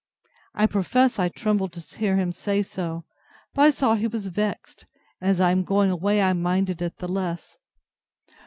I profess I trembled to hear him say so; but I saw he was vexed; and, as I am going away, I minded it the less.